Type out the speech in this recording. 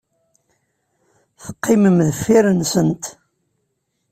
Teqqimem deffir-nsent.